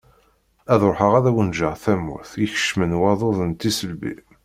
Ad ruḥeγ ad awen-ğğeγ tamurt i yekcem waḍu n tisselbi.